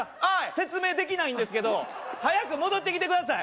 説明できないんですけど早く戻ってきてください